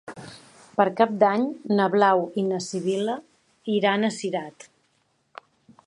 Per Cap d'Any na Blau i na Sibil·la iran a Cirat.